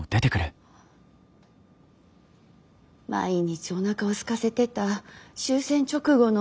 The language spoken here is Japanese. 毎日おなかをすかせてた終戦直後の。